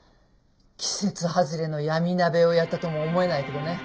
季節外れの闇鍋をやったとも思えないけどね。